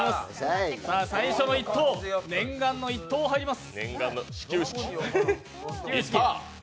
最初の１投、念願の１投、入ります。